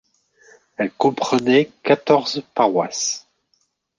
Elle comprenait quatorze paroisses.